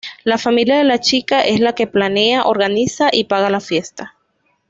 La familia de la chica es la que planea, organiza y paga la fiesta.